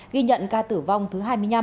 ghi nhận ca tử vong thứ hai mươi năm